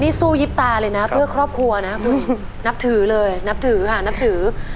นี่สู้ยิบตาเลยนะเพื่อครอบครัวนะคุณนับถือเลยนับถือค่ะนับถือ